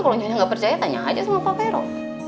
kalau nyonya gak percaya tanya aja sama pak vero